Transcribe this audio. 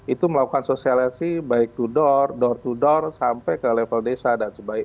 itu melakukan sosialisasi baik to door door to door sampai ke level desa dan sebagainya